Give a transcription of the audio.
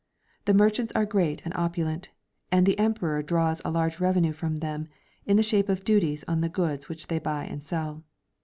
The merchants are great and o])ulent, and the Emperor draws a large revenue from them, in the shape of duties on the goods which tlicy buy and sell.